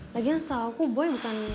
lagian setelah aku boy bukan